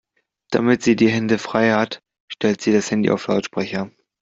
Damit sie die Hände frei hat, stellt sie das Handy auf Lautsprecher.